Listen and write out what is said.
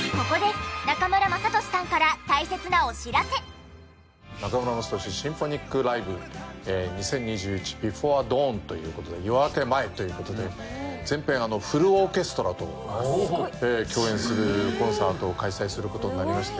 ここで「中村雅俊ＳｙｍｐｈｏｎｉｃＬｉｖｅ２０２１ＢｅｆｏｒｅＤＡＷＮ」という事で夜明け前という事で全編フルオーケストラと共演するコンサートを開催する事になりまして。